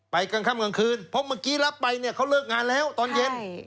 กลางค่ำกลางคืนเพราะเมื่อกี้รับไปเนี่ยเขาเลิกงานแล้วตอนเย็น